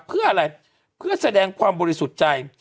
เพื่ออะไรเพื่อแสดงความบริสุทธิ์ใจ